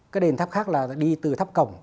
cái đền tháp khác là đi từ tháp cổng